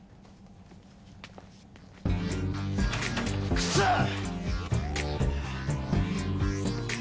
クソッ！